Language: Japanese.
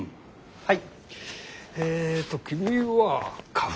はい。